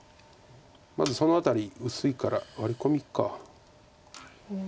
まずその辺り薄いからワリコミか。